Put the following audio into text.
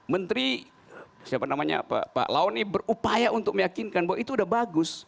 menteri siapa namanya pak laoni berupaya untuk meyakinkan bahwa itu sudah bagus